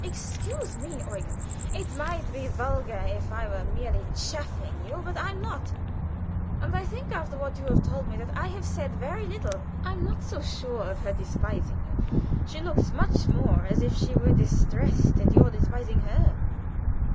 "Excuse me, Eugen, it might be vulgar if I were merely chaffing you, but I am not; and I think, after what you have told me, that I have said very little. I am not so sure of her despising you. She looks much more as if she were distressed at your despising her."